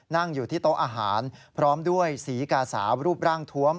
นั่งอยู่ที่โต๊ะอาหารพร้อมด้วยสีกาสาวรูปร่างทวม